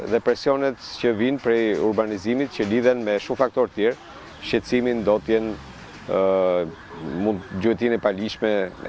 dan juga kemungkinan besar penyebabnya adalah urbanisasi dan perubahan iklim